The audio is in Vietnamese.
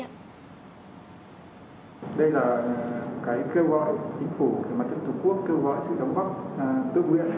đây là cái kêu gọi chính phủ về mặt trận tổ quốc kêu gọi sự đóng góp tự nguyện